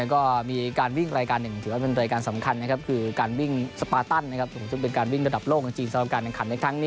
ก็มีการวิ่งรายการหนึ่งถือว่าเป็นรายการสำคัญ